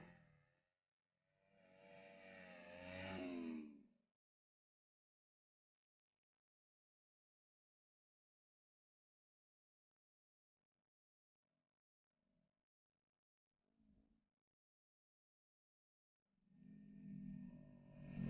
ya udah terus kita lanjut